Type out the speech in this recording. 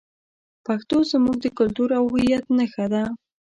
پښتو زموږ د کلتور او هویت نښه ده.